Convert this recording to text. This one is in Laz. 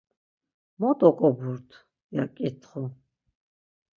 Mot oǩoburt? ya ǩiktxu.